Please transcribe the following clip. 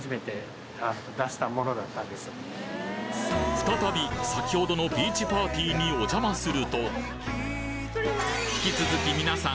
再び先程のビーチーパーティーにお邪魔すると引き続き皆さん